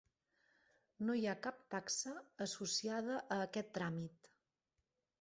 No hi ha cap taxa associada a aquest tràmit.